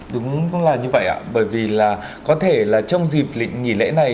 đúng là như vậy ạ bởi vì là có thể là trong dịp nghỉ lễ này